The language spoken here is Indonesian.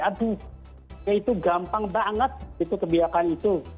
aduh ya itu gampang banget itu kebijakan itu